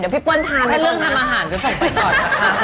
พี่เปิ้ลทานถ้าเรื่องทำอาหารจะส่งไปก่อนนะคะ